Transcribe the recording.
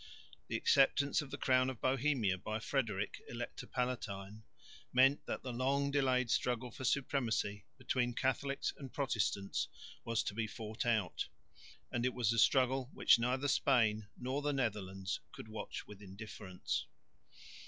The acceptance of the Crown of Bohemia by Frederick, Elector Palatine, meant that the long delayed struggle for supremacy between Catholics and Protestants was to be fought out; and it was a struggle which neither Spain nor the Netherlands could watch with indifference.